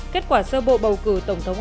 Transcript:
kết quả sơ bộ bầu cử tổng thống